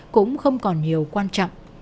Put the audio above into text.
cũng không còn nhiều quan trọng